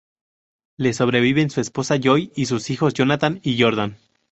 Le sobreviven su esposa Joy y sus hijos Jonathan y Jordan.